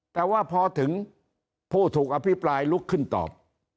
แต่ว่าพอถึงผู้ถูกอภิปรายลุกขึ้นตอบ